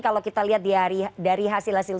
kalau kita lihat dari hasil hasil